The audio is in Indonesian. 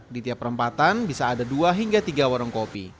di tiap perempatan bisa ada dua hingga tiga warung kopi